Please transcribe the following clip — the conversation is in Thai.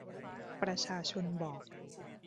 ประชาชนบอก